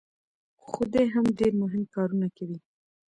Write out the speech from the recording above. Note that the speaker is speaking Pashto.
خو دی هم ډېر مهم کارونه کوي.